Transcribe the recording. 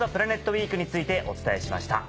ウィークについてお伝えしました。